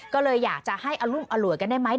ก็เลยอยากจะให้อรุมอร่วยกันได้ไหม